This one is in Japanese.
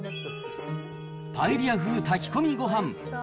パエリア風炊き込みご飯。